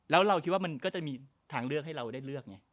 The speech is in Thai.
แล้วเราคิดว่ามันก็จะมีทางเลือกให้เราได้เลือกไง